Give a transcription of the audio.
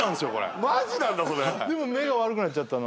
でも目が悪くなっちゃったの？